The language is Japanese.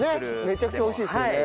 めちゃくちゃ美味しいですよね。